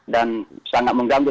dan sangat mengganggu